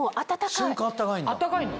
瞬間あったかいんだ？